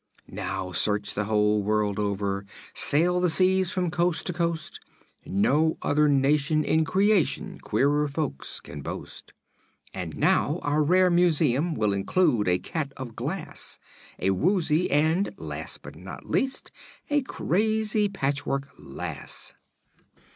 Just search the whole world over sail the seas from coast to coast No other nation in creation queerer folk can boast; And now our rare museum will include a Cat of Glass, A Woozy, and last but not least a crazy Patchwork Lass."